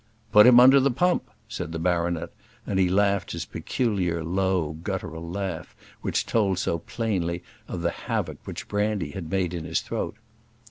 "Put him under the pump," said the baronet; and he laughed his peculiar low guttural laugh, which told so plainly of the havoc which brandy had made in his throat.